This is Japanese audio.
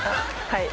はい。